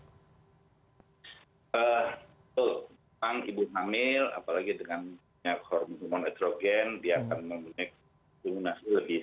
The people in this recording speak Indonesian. tentu tentang ibu hamil apalagi dengan hormon hormon estrogen dia akan memiliki imunasi lebih